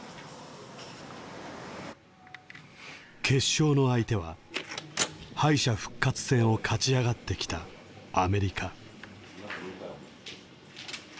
決勝の相手は敗者復活戦を勝ち上がってきたアメリカ。